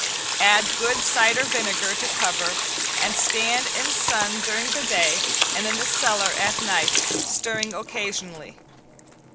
Add good cider vinegar to cover and stand in sun during the day and in the cellar at night, stirring occasionally.